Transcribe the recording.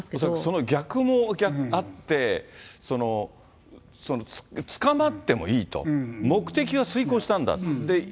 その逆もあって、捕まってもいいと、目的は遂行したんだと。